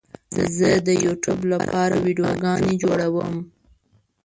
زه د یوټیوب لپاره ویډیو جوړوم